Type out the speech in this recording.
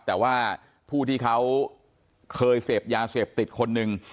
แต่ว่าผู้ที่เขาเคยเสพยาเสพติดคนหนึ่ง